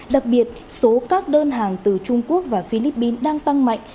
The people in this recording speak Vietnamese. đặc biệt số các đơn hàng từ trung quốc và philippines đang tăng mạnh